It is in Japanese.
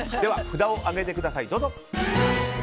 札を上げてください、どうぞ。